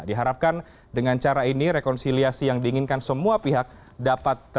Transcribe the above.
diharapkan dengan cara ini rekonsiliasi yang diinginkan semua pihak dapat